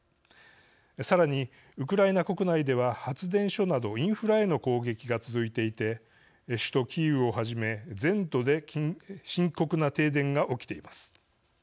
さらに、ウクライナ国内では発電所などインフラへの攻撃が続いていて首都キーウをはじめ全土で深刻な停電が起きています。